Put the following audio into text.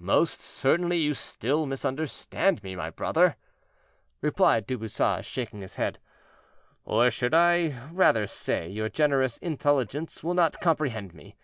"Most certainly you still misunderstand me, my brother," replied Du Bouchage, shaking his head, "or I should rather say your generous intelligence will not comprehend me.